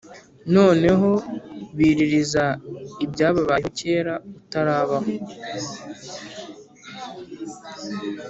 Noneho baririza ibyabayeho kera utarabaho,